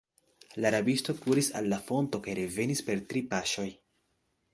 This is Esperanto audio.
La rabisto kuris al la fonto kaj revenis per tri paŝoj.